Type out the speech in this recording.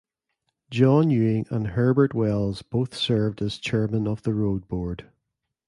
John Ewing and Herbert Wells both served as chairmen of the road board.